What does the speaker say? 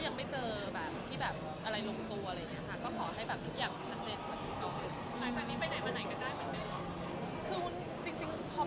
ผมยังไปไม่ได้มีใครตั้งหน้าตั้งตาจีบ